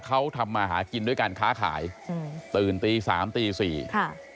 เขาทำมาหากินด้วยการค้าขายอืมตื่นตีสามตีสี่ค่ะ